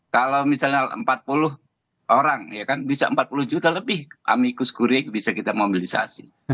kalau misalnya empat puluh orang bisa empat puluh juta lebih amicus kure bisa kita mobilisasi